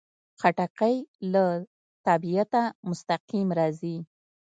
خټکی له طبیعته مستقیم راځي.